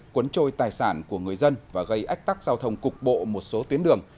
cuốn trôi tài sản của người dân và gây ách tắc giao thông cục bộ một số tuyến đường